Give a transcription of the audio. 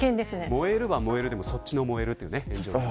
燃えるは燃えるでもそっちの燃えるね。